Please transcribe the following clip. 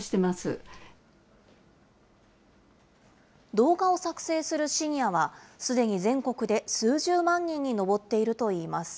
動画を作成するシニアは、すでに全国で数十万人に上っているといいます。